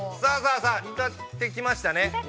◆さあ、煮立ってきましたね。